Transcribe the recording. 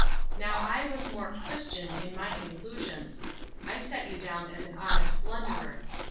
Now I was more Christian in my conclusions; I set you down as an honest blunderer.